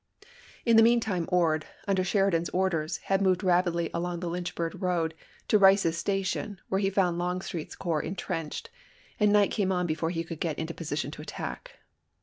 In the mean time Ord, under Sheridan's orders, Api. p, i86& had moved rapidly along the Lynchburg road to Rice's Station, where he found Longstreet's corps intrenched, and night came on before he could get into position to attack.